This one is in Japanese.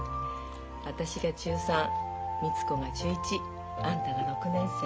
私が中３みつ子が中１あんたが６年生。